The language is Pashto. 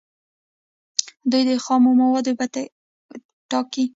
دوی د خامو موادو بیې ټاکي.